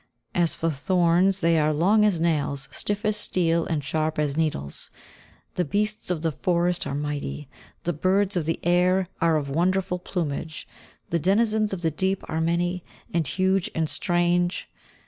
As for thorns, they are long as nails, stiff as steel, and sharp as needles. The beasts of the forest are mighty, the birds of the air are of wonderful plumage, the denizens of the deep are many, and huge, and strange.